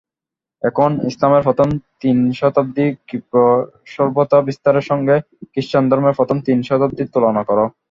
এখন ইসলামের প্রথম তিন শতাব্দীব্যাপী ক্ষিপ্র সভ্যতাবিস্তারের সঙ্গে ক্রিশ্চানধর্মের প্রথম তিন শতাব্দীর তুলনা কর।